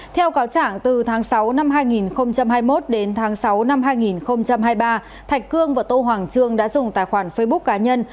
theo cáo chẳng từ tháng sáu năm hai nghìn hai mươi một đến tháng sáu năm hai nghìn hai mươi ba thạch cương và tô hoàng trương đã dùng tài khoản facebook cá nhân